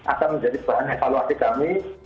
akan menjadi bahan evaluasi kami